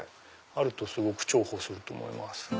あると重宝すると思います。